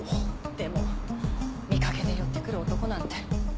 でも見かけで寄ってくる男なんて。